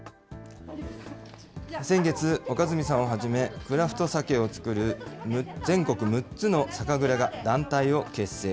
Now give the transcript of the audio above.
先月、岡住さんをはじめ、クラフトサケを造る全国６つの酒蔵が団体を結成。